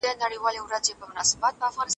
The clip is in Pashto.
له ځان سره په مینه ژوند وکړئ.